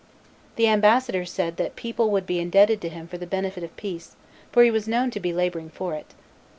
The ambassadors said that people would be indebted to him for the benefit of peace, for he was known to be laboring for it.